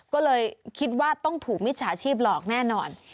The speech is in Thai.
ก็เลยคิดว่าต้องถูกมิจฉาชีพหลอกแน่นอน